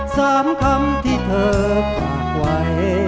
สามคำที่เธอฝากไว้